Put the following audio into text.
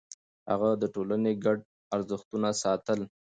هغه د ټولنې ګډ ارزښتونه ساتل.